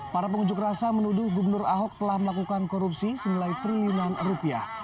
para pengunjuk rasa menuduh gubernur ahok telah melakukan korupsi senilai triliunan rupiah